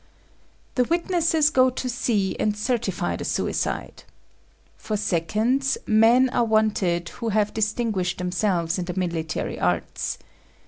The witnesses go to see and certify the suicide. For seconds, men are wanted who have distinguished themselves in the military arts.